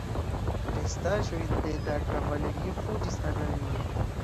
Restaĵoj de la kavalerio fuĝis al la limo.